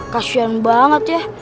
kasian banget ya